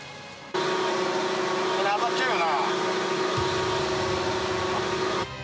これ当たっちゃうよな。